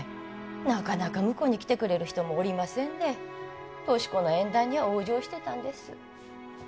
なかなか婿に来てくれる人もおりませんで俊子の縁談には往生してたんです